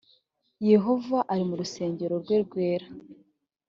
yehova ari mu rusengero rwe rwera